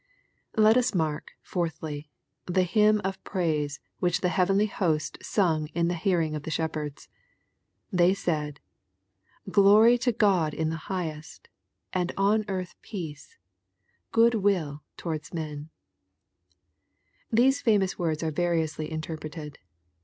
Let us mark, fourthly, the hymn of praise which the heavenly host sung in the hearing of the shepherds. They said, " Glory to God in the highest, and on earth peace, good will towards men/' These famous words are variously interpreted.